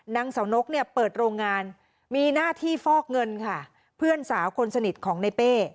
นางเสานกเนี่ยเปิดโรงงานมีหน้าที่ฟอกเงินค่ะเพื่อนสาวคนสนิทของในเป้